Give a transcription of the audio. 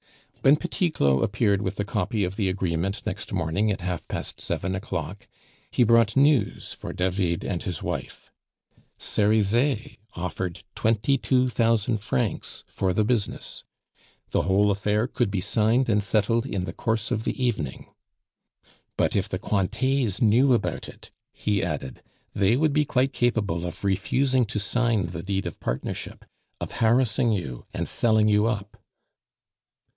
When Petit Claud appeared with a copy of the agreement next morning at half past seven o'clock, he brought news for David and his wife. Cerizet offered twenty two thousand francs for the business. The whole affair could be signed and settled in the course of the evening. "But if the Cointets knew about it," he added, "they would be quite capable of refusing to sign the deed of partnership, of harassing you, and selling you up."